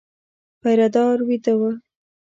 پيره دار وېده و.